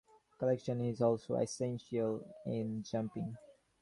Collection is also essential in jumping.